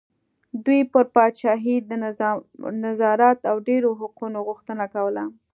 دوی پر پاچاهۍ د نظارت او ډېرو حقوقو غوښتنه کوله.